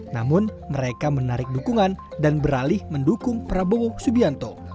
namun mereka menarik dukungan dan beralih mendukung prabowo subianto